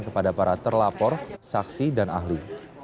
kepada para terlapor saksi dan ahli